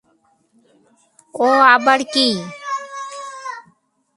ও আবার কী?